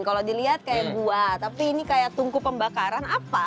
kalau dilihat kayak buah tapi ini kayak tungku pembakaran apa